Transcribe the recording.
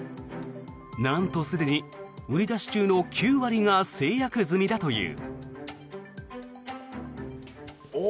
なんと、すでに売り出し中の９割が成約済みだという。